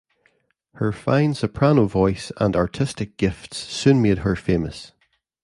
Her fine soprano voice and artistic gifts soon made her famous.